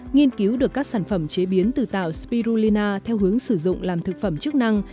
nghiên cứu được các sản phẩm chế biến từ tàu spirulina theo hướng sử dụng làm thực phẩm chức năng